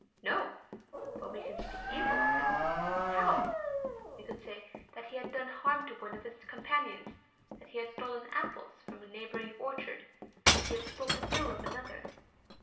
No, but we can speak evil of him. How? We could say that he had done harm to one of his companions ... that he had stolen apples from a neighboring orchard ... that he had spoken ill of another.